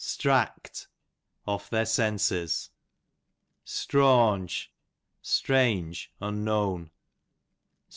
Stract, off their senses. Strawnge, strange, unknown.